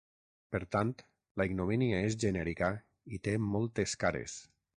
Per tant, la ignomínia és genèrica i té moltes cares.